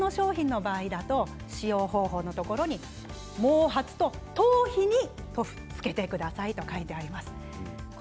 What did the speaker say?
使用方法のところに毛髪と頭皮に塗布つけてくださいと書いてあります。